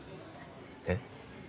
えっ？